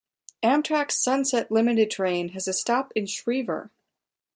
Amtrak's Sunset Limited train has a stop in Schriever.